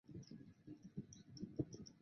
游行期间一些路边的日本汽车遭到砸毁。